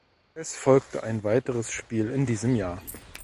Es folgte ein weiteres Spiel in diesem Jahr.